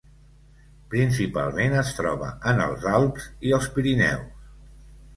Principalment es troba en els Alps i els Pirineus.